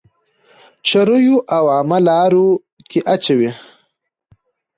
چريو او عامه لارو کي اچوئ.